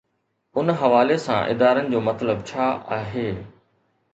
ان حوالي سان ادارن جو مطلب ڇا آهي؟